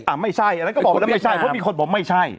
ไม่ใช่อันนั้นก็บอกแล้วไม่ใช่เพราะมีคนบอกไม่ใช่